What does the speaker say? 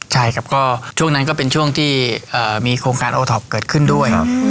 ใช่ครับก็ช่วงนั้นก็เป็นช่วงที่มีโครงการโอท็อปเกิดขึ้นด้วย